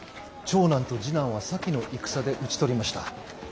長男と次男は先の戦で討ち取りました。